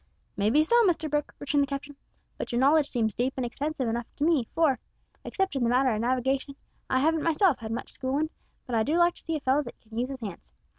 "May be so, Mr Brooke," returned the captain, "but your knowledge seems deep and extensive enough to me, for, except in the matter o' navigation, I haven't myself had much schoolin', but I do like to see a fellow that can use his hands.